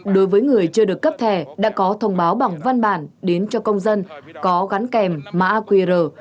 đối với người chưa được cấp thẻ đã có thông báo bằng văn bản đến cho công dân có gắn kèm mã qr